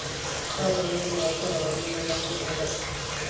دا د نورو موثرو عواملونو نفي نه ده.